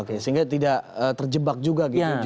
oke sehingga tidak terjebak juga gitu